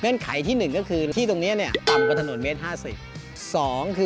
เงื่อนไขที่หนึ่งก็คือที่ตรงเนี้ยน่ะตำกว่าถนนเมตรห้าสิบ